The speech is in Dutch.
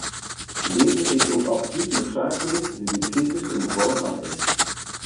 Deze is ook absoluut noodzakelijk nu de crisis in volle gang is.